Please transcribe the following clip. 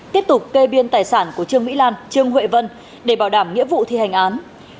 tiếp tục kê biên tài sản của trương mỹ lan trương huệ vân để bảo đảm nghĩa vụ thi hành án